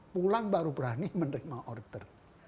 pulang baru berani menerima order